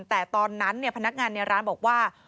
แต่ตอนนั้นพนักงานในร้านบอกว่า